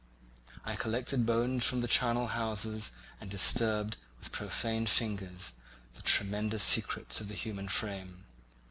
I collected bones from charnel houses and disturbed, with profane fingers, the tremendous secrets of the human frame.